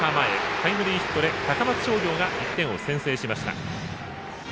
タイムリーヒットで高松商業が１点を先制しました。